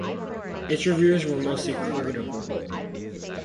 Its reviews were mostly critical.